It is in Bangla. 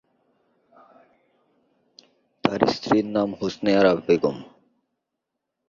তার স্ত্রীর নাম হোসনে আরা বেগম।